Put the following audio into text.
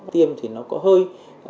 tiêm thì nó có hơi